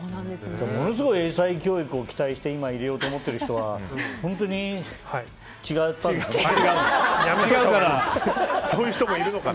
ものすごい英才教育を期待して今、入れようと思ってる人はそういう人もいるのかな。